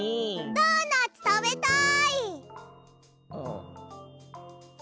ドーナツたべたい！